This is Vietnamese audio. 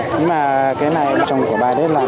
nhưng mà cái này chồng của bà đấy làm